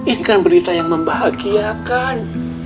ini kan berita yang membahagiakan